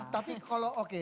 tapi kalau oke